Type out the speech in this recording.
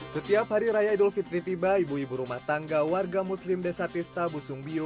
setiap hari raya idul fitri tiba ibu ibu rumah tangga warga muslim desa tista busung bio